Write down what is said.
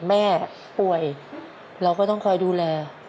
แม่ป่วยเราก็ต้องคอยดูแล